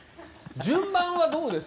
順番はどうですか？